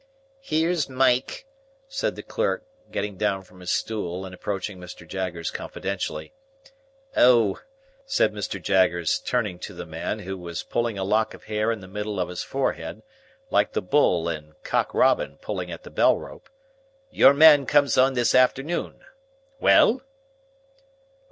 "Here's Mike," said the clerk, getting down from his stool, and approaching Mr. Jaggers confidentially. "Oh!" said Mr. Jaggers, turning to the man, who was pulling a lock of hair in the middle of his forehead, like the Bull in Cock Robin pulling at the bell rope; "your man comes on this afternoon. Well?"